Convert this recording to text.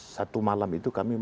dan kita juga ada pengon singkir